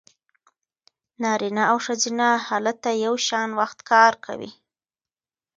نارینه او ښځینه هلته یو شان وخت کار کوي